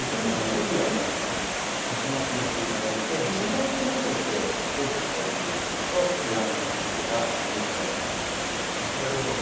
ぜひ鉢増しをしていただいてシンボルツリーとして大きく育てていただくとベランダの風景がぐっとまとまると思うんですね。